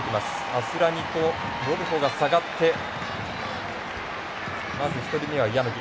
アスラニとロルフォが下がってまず１人目はヤノギ。